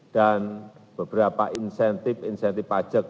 dan beberapa insentif insentif pajak